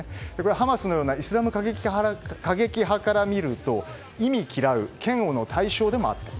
ハマスのようなイスラム過激派から見ると忌み嫌う嫌悪の対象でもあったと。